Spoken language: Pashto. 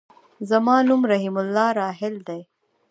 زما نوم رحيم الله راحل دی.